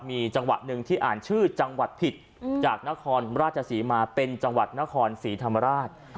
มีจังหวะหนึ่งที่อ่านชื่อจังหวัดผิดจากนครราชศรีมาเป็นจังหวัดนครศรีธรรมราช